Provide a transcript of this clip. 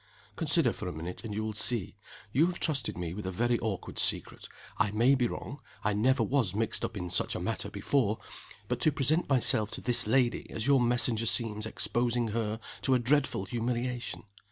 "Consider for a minute, and you will see. You have trusted me with a very awkward secret. I may be wrong I never was mixed up in such a matter before but to present myself to this lady as your messenger seems exposing her to a dreadful humiliation.